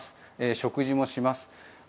食事もします。